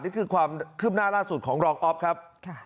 นี่คือความคืบหน้าล่าสุดของรองอ๊อฟครับ